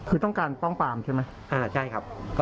คือต้องการป้องปามใช่ไหม